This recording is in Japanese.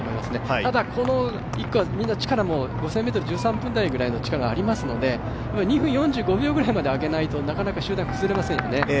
ただ、この１区はみんな力も５０００ｍ１３分台の力がありますので２分４５秒ぐらいまで上げないとなかなか集団は崩れませんよね。